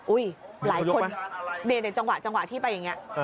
อุ๊ยหลายคนเดินในจังหวะที่ไปอย่างนี้